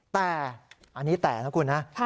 แต่อันนี้แต่นะคุณนะ